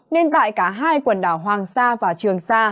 nên tại cả hai quần đảo hoàng sa và trường sa